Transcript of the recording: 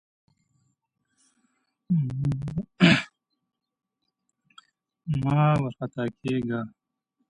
مه وارخطا کېږه!